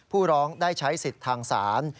ผู้ร้องได้ใช้สิทธิ์ทางศาล